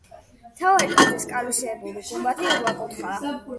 მთავარი ტაძრის კარვისებური გუმბათი რვაკუთხაა.